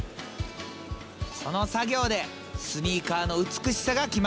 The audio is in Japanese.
その作業でスニーカーの美しさが決まるんやで！